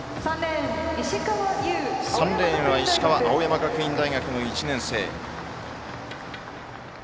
３レーンは石川青山学院大学の１年生です。